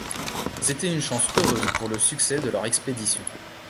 C’était une chance heureuse pour le succès de leur expédition.